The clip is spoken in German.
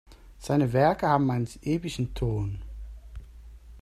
Seine Werke haben einen epischen Ton.